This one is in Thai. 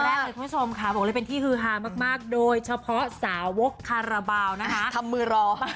แรกเลยคุณผู้ชมค่ะบอกเลยเป็นที่ฮือฮามากโดยเฉพาะสาวกคาราบาลนะคะทำมือรอ